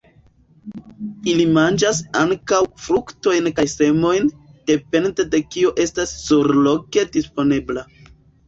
Ili manĝas ankaŭ fruktojn kaj semojn, depende de kio estas surloke disponebla.